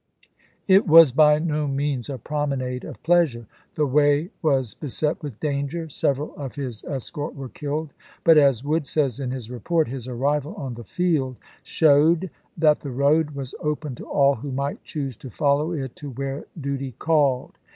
It was by no means a promenade of pleasure ; the way was beset with danger, several of his escort were killed, but as Wood says in his report, his arrival on the field showed "that the road was open to all who might choose to follow it voi^xxx., to where duty called."